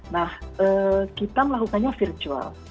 nah kita melakukannya virtual